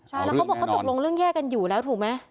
ใช่แล้วเขาบอกเขาตกลงเรื่องแยกกันอยู่แล้วถูกไหม